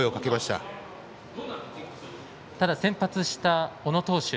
ただ先発した小野投手